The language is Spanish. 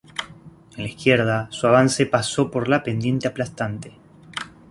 En la izquierda, su avance pasó por la pendiente aplastante.